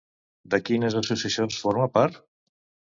De quines associacions forma part?